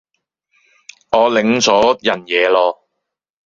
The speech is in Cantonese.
我領咗人嘢囉